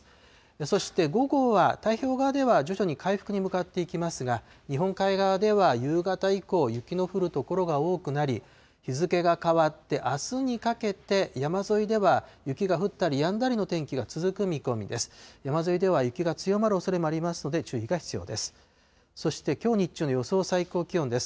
そして、午後は太平洋側では徐々に回復に向かっていきますが、日本海側では夕方以降、雪の降る所が多くなり、日付が変わってあすにかけて、山沿いでは雪が降ったりやんだりの天気が続く見込みです。